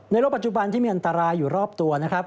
โรคปัจจุบันที่มีอันตรายอยู่รอบตัวนะครับ